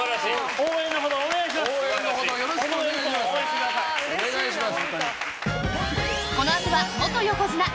応援のほどよろしくお願いします！